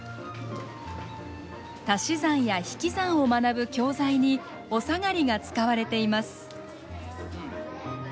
足し算や引き算を学ぶ教材におさがりが使われています。